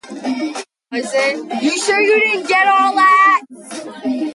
Renfrew and Montreal played first, with the winner to play-off against Ottawa.